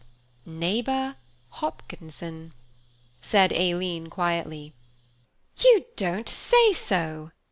"Neighbour Hopkinson," said Aileen quietly. "You don't say so!